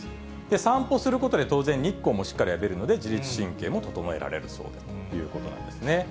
散歩することで、当然、日光もしっかり浴びるので、自律神経も整えられるそうだということなんですね。